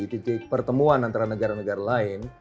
titik pertemuan antara negara negara lain